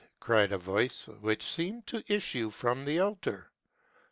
" cried a voice, which seemed to issue from the altar.